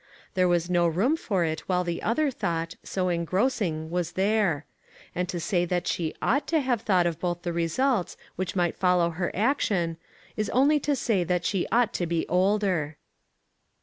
There was no room for it while the other thought, so engrossing, was there; and to say that she ought to have thought of both the results which might follow her action, is only to say that she ought to be older.